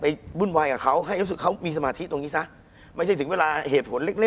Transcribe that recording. คุณผู้ชมบางท่าอาจจะไม่เข้าใจที่พิเตียร์สาร